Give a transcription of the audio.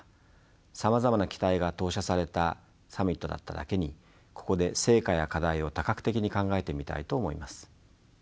さまざまな期待が投射されたサミットだっただけにここで成果や課題を多角的に考えてみたいと思います。